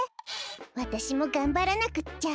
わたしもがんばらなくっちゃ。